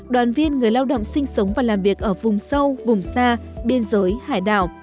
đoàn viên người lao động sinh sống và làm việc ở vùng sâu vùng xa biên giới hải đảo